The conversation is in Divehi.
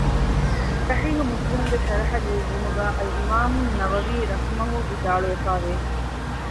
ޞަޙީޙު މުސްލިމުގެ ޝަރަޙަލިޔުއްވުމުގައި އަލްއިމާމުއްނަވަވީ ރަޙިމަހު ވިދާޅުވެފައިވެ